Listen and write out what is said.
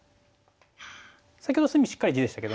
先ほど隅しっかり地でしたけどね。